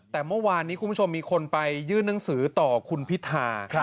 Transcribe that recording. แต่เมื่อวานนี้คุณผู้ชมมีคนไปยื่นหนังสือต่อคุณพิธา